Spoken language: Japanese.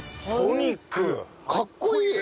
かっこいい！